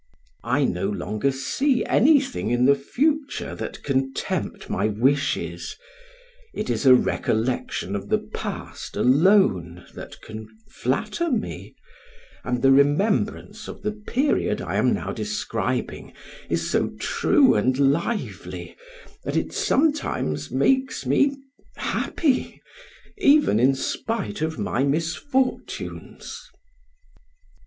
I no longer see anything in the future that can tempt my wishes, it is a recollection of the past alone that can flatter me, and the remembrance of the period I am now describing is so true and lively, that it sometimes makes me happy, even in spite of my misfortunes.